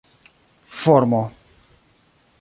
formo